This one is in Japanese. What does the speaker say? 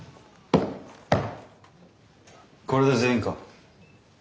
これで全員か？